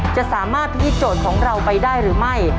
จะสามารถพิธีโจทย์ของเราไปได้หรือไม่